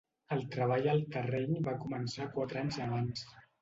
El treball al terreny va començar quatre anys abans.